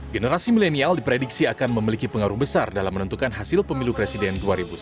generasi milenial diprediksi akan memiliki pengaruh besar dalam menentukan hasil pemilu presiden dua ribu sembilan belas